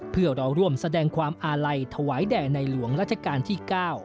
เพื่อเราร่วมแสดงความอาลัยถวายแด่ในหลวงราชการที่๙